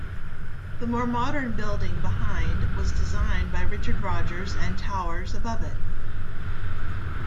The more modern building behind was designed by Richard Rogers and towers above it.